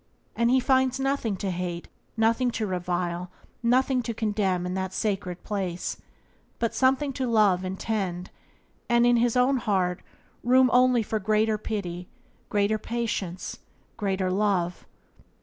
And he finds nothing to hate, nothing to revile, nothing to condemn in that sacred place, but something to love and tend, and, in his own heart, room only for greater pity, greater patience, greater love.